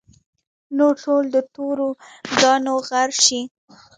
نور ټول د تورو کاڼو غر شي.